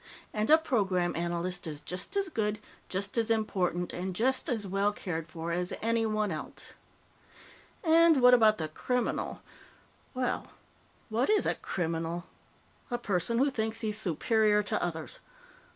And a Program Analyst is just as good, just as important, and just as well cared for as anyone else. And what about the criminal? Well, what is a criminal? A person who thinks he's superior to others.